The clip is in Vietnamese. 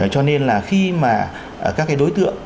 cho nên là khi mà các cái đối tượng